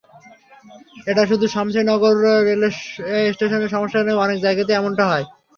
এটা শুধু শমশেরনগর রেলওয়ে স্টেশনের সমস্যা নয়, অনেক জায়গাতেই এমনটা হয়।